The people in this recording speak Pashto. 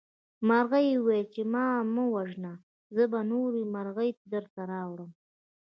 مرغۍ وویل چې ما مه وژنه زه به نورې مرغۍ درته راوړم.